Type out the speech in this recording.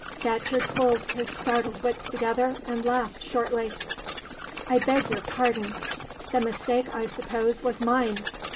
Datcherd pulled his startled wits together, and laughed shortly. "I beg your pardon. The mistake, I suppose, was mine.